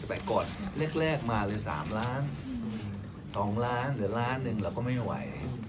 เรียกแรกมาเลย๓ล้าน๒ล้านหรือ๑ล้านเราก็ไม่ไหว